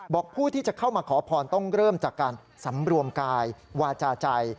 ผู้ที่จะเข้ามาขอพรต้องเริ่มจากการสำรวมกายวาจาใจ